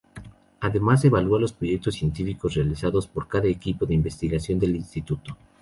Además, evalúa los proyectos científicos realizados por cada equipo de investigación del instituto.